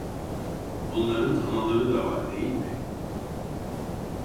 Bunların anaları da var değil mi?